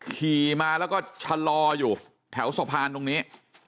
ขี่มาแล้วก็ชะลออยู่แถวสะพานตรงนี้